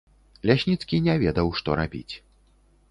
Лясніцкі не ведаў, што рабіць.